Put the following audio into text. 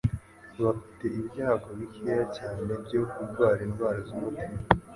bafite ibyago bikeya cyane byo kurwara indwara z'umutima.